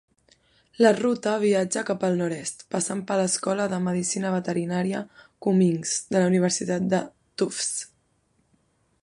La ruta viatja cap al nord-est, passant per l'escola de medicina veterinària Cummings de la Universitat de Tufts.